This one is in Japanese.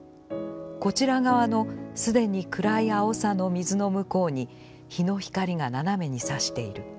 こちら側の、すでに暗い青さの水の向こうに、陽の光が斜めにさしている。